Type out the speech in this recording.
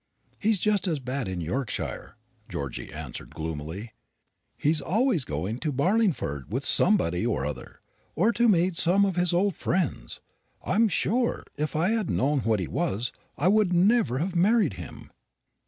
"He's just as bad in Yorkshire," Georgy answered gloomily; "he's always going to Barlingford with somebody or other, or to meet some of his old friends. I'm sure, if I had known what he was, I would never have married him."